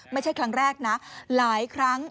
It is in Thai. ไม่ใช่ครั้งแรกนะหลายครั้ง